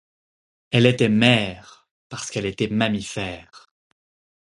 Elle était mère parce qu'elle était mammifère.